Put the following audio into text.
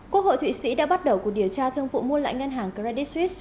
quốc hội thụy sĩ đã bắt đầu cuộc điều tra thương vụ mua lại ngân hàng credit suisse